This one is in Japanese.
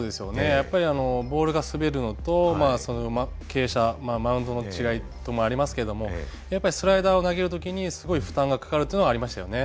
やっぱりボールが滑るのと傾斜マウンドの違い等もありますけれどもやっぱりスライダーを投げる時にすごい負担がかかるというのはありましたよね。